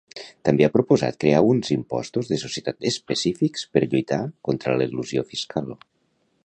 També ha proposat crear uns impostos de societat específics per lluitar contra l'elusió fiscal.